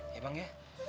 iya bang ya